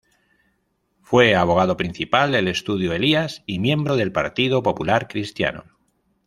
Fue abogado principal del Estudio Elías y miembro del Partido Popular Cristiano.